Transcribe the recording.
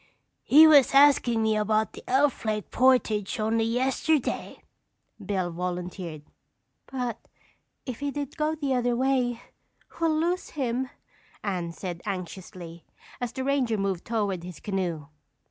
"He was askin' me about the Elf Lake portage only yesterday," Bill volunteered. "But if he did go the other way, we'll lose him," Anne said anxiously, as the ranger moved toward his canoe.